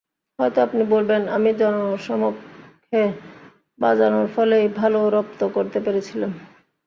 হয়তো আপনি বলবেন, আমি জনসমক্ষে বাজানোর ফলেই ভালো রপ্ত করতে পেরেছিলাম।